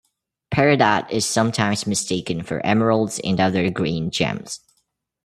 Peridot is sometimes mistaken for emeralds and other green gems.